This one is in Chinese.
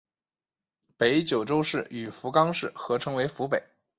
北九州市与福冈市合称为福北。